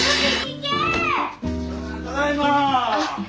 ただいま！